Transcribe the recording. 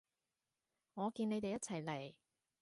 我見你哋一齊嚟